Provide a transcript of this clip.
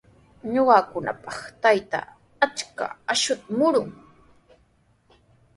Ñuqakunapaq taytaa achka akshuta murun.